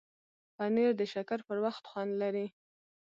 پنېر د شکر پر وخت خوند لري.